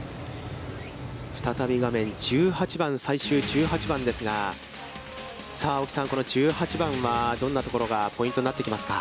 再び画面１８番、最終１８番ですが、青木さん、この１８番はどんなところがポイントになってきますか。